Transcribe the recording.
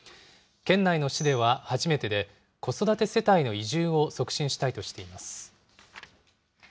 県内の市では初めてで、子育て世帯の移住を促進したいとしています。